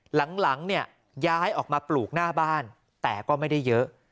หลังเนี่ยย้ายออกมาปลูกหน้าบ้านแต่ก็ไม่ได้เยอะ